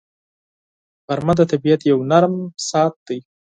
غرمه د طبیعت یو نرم ساعت دی